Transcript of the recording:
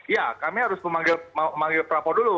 ya memanggil pelapor dulu